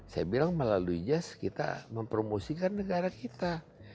saya bilang melalui jazz kita mempromosikan negara kita